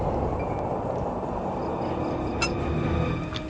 sebagai dewan penasehat